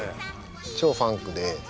超ファンクで。